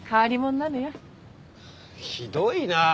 ひどいな。